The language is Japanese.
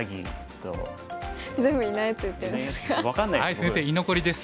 先生居残りです。